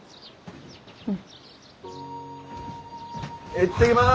行ってきます！